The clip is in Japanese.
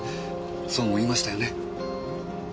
そうも言いましたよね。